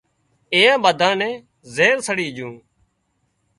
ايئان ٻڌانئين نين زهر سڙي جھون